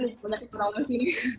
banyak yang pernah ke sini